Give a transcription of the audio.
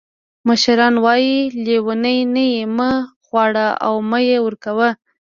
مشران وایي: لیوني نه یې مه غواړه او مه یې ورکوه.